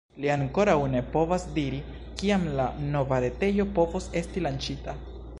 Li ankoraŭ ne povas diri, kiam la nova retejo povos esti lanĉita.